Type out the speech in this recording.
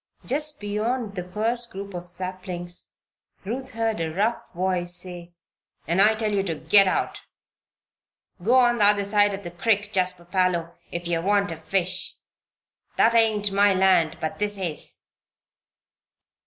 Just beyond the first group of saplings Ruth heard a rough voice say: "And I tell you to git out! Go on the other side of the crick, Jasper Parloe, if ye wanter fish. That ain't my land, but this is."